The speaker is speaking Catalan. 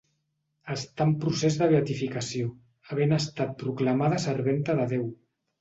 Està en procés de beatificació, havent estat proclamada serventa de Déu.